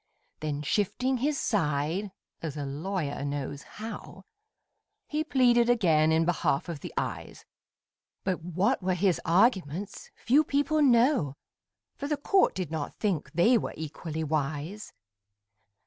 Then shifting his side (as a lawyer knows how), He pleaded again in behalf of the Eyes; But what were his arguments few people know, For the court did not think they were equally wise.